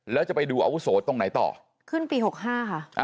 แล้วจะไปดูอาวุโสตรงไหนต่อขึ้นปีหกห้าค่ะ